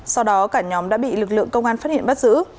sau đó cả nhóm đã bị lực lượng công an phát hiện bắt giữ